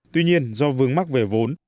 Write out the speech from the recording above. tuy nhiên do vương mắc về vốn